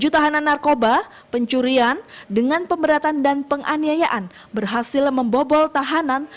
tujuh tahanan narkoba pencurian dengan pemberatan dan penganiayaan berhasil membobol tahanan